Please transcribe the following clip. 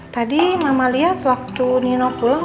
tadi mama lihat waktu nino pulang